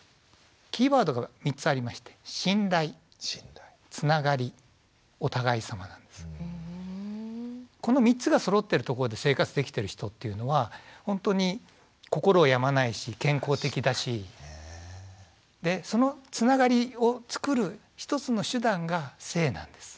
キーワードが３つありましてこの３つがそろってるところで生活できてる人っていうのはほんとに心を病まないし健康的だしでそのつながりをつくる一つの手段が性なんです。